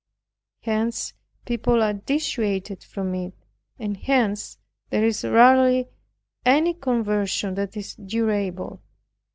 Hence people are dissuaded from it, and hence there is rarely any conversion that is durable.